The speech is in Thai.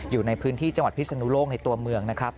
อยู่ในพื้นที่จังหวัดพิษฎุโลกในตัวเมือง